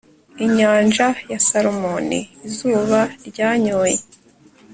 inyanja ya salmon, izuba ryanyoye